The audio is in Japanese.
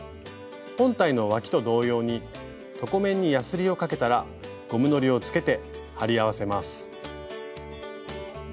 本体のわきと同様に床面にやすりをかけたらゴムのりをつけて貼り合わせます。